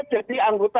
jadi anggota dewan